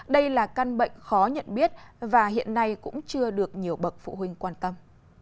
đây là căn bệnh khó nhận biết và hiện nay cũng chưa được nhiều bậc phụ huynh quan tâm